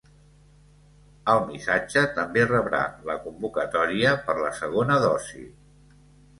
Al missatge també rebrà la convocatòria per la segona dosi.